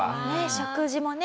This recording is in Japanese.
食事もね